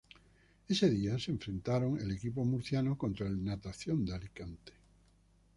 Ese día, se enfrentaron el equipo murciano contra el Natación de Alicante.